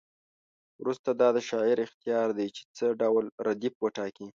وروسته دا د شاعر اختیار دی چې څه ډول ردیف وټاکي.